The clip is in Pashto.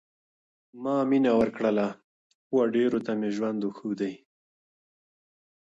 ما مينه ورکړله، و ډېرو ته مي ژوند وښودئ.